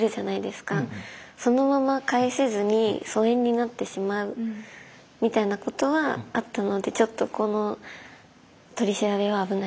そのまま返せずに疎遠になってしまうみたいなことはあったのでちょっとこの取り調べは危ないかもしれないです。